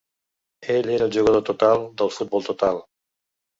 Ell era el ‘jugador total’ del ‘futbol total’.